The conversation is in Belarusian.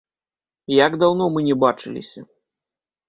Як даўно мы не бачыліся!